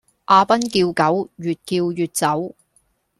阿崩叫狗越叫越走